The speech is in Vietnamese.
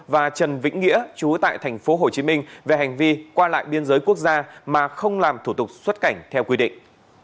và trần vĩnh nghĩa chú tại thành phố hồ chí minh về hành vi qua lại biên giới quốc gia mà không làm thủ tục xuất cảnh theo quy định